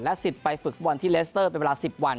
สิทธิ์ไปฝึกฟุตบอลที่เลสเตอร์เป็นเวลา๑๐วัน